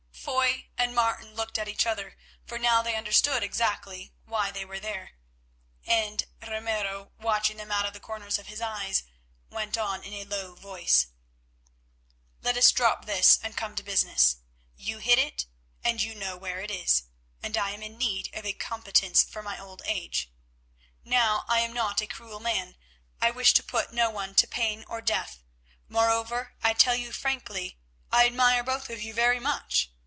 Foy and Martin looked at each other, for now they understood exactly why they were there, and Ramiro, watching them out of the corners of his eyes, went on in a low voice: "Let us drop this and come to business. You hid it, and you know where it is, and I am in need of a competence for my old age. Now, I am not a cruel man; I wish to put no one to pain or death; moreover, I tell you frankly, I admire both of you very much.